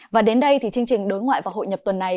và đến đây thì chương trình đối ngoại và hội nhập tuần này